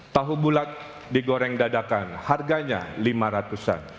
tahu bulat digoreng dadakan harganya lima ratusan